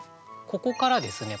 ここからですね